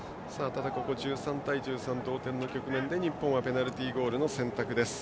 １３対１３、同点の局面で日本はペナルティーゴールの選択です。